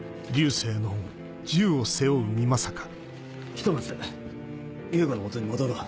ひとまず雄吾の元に戻ろう。